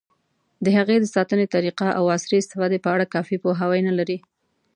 د هغې د ساتنې طریقو، او عصري استفادې په اړه کافي پوهاوی نه لري.